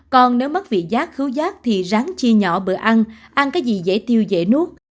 còn nếu mất vị giác cứu giác thì ráng chia nhỏ bữa ăn ăn cái gì dễ tiêu dễ nuốt